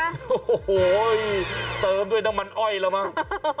โอ้โหเติมด้วยน้ำมันไอละมั้ง